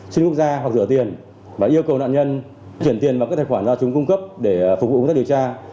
xuyên quốc gia hoặc rửa tiền và yêu cầu nạn nhân chuyển tiền vào các tài khoản do chúng cung cấp để phục vụ các điều tra